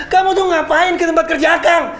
kamu tuh ngapain ke tempat kerja kamu